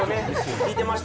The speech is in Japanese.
聞いてました。